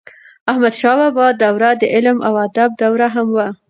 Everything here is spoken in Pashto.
احمدشاه بابا دوره د علم او ادب دوره هم وه.